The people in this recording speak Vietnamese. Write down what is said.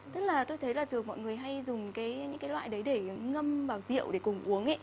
tức là tôi thấy là từ mọi người hay dùng những loại đấy để ngâm vào rượu để cùng uống ý